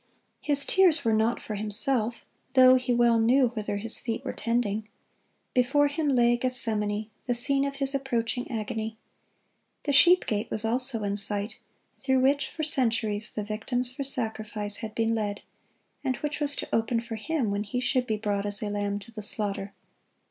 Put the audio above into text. His tears were not for Himself, though He well knew whither His feet were tending. Before Him lay Gethsemane, the scene of His approaching agony. The sheep gate also was in sight, through which for centuries the victims for sacrifice had been led, and which was to open for Him when He should be "brought as a lamb to the slaughter."